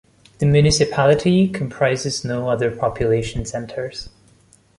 The municipality comprises no other population centres.